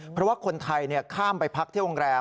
เพราะว่าคนไทยข้ามไปพักที่โรงแรม